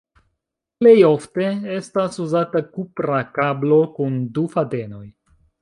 Plej ofte estas uzata kupra kablo kun du fadenoj.